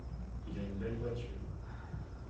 Il a une belle voiture.